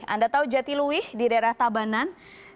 anda tahu jatilui di daerah tabanan